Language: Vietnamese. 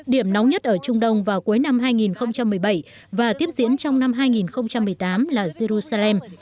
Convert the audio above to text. điểm nóng nhất ở trung đông vào cuối năm hai nghìn một mươi bảy và tiếp diễn trong năm hai nghìn một mươi tám là jerusalem